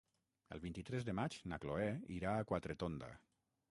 El vint-i-tres de maig na Cloè irà a Quatretonda.